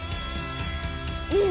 うん！